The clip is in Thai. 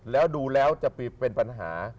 แล้วดูแล้วจะเป็นปัญหา